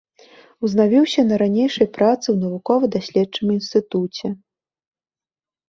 Узнавіўся на ранейшай працы ў навукова-даследчым інстытуце.